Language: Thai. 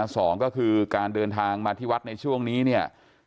สองก็คือการเดินทางมาที่วัดในช่วงนี้เนี่ย